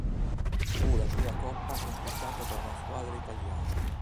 Fu la prima Coppa conquistata da una squadra italiana.